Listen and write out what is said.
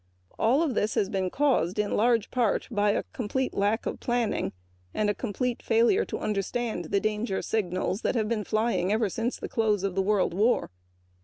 All of this has been caused in large part by a complete lack of planning and a complete failure to understand the danger signals that have been flying ever since the close of the World War.